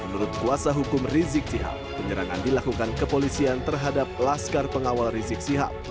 menurut kuasa hukum rizik sihab penyerangan dilakukan kepolisian terhadap laskar pengawal rizik sihab